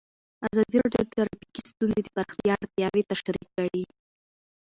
ازادي راډیو د ټرافیکي ستونزې د پراختیا اړتیاوې تشریح کړي.